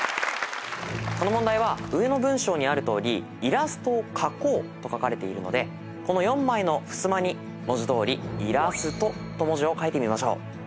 この問題は上の文章にあるとおり「イラストを書こう」と書かれているのでこの４枚のふすまに文字どおり。と文字を書いてみましょう。